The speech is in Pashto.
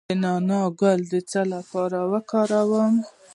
د نعناع ګل د څه لپاره وکاروم؟